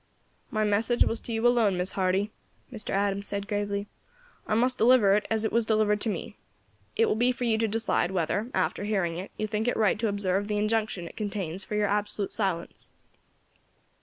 "My message was to you alone, Miss Hardy," Mr. Adams said gravely; "I must deliver it as it was delivered to me. It will be for you to decide whether, after hearing it, you think it right to observe the injunction it contains for your absolute silence."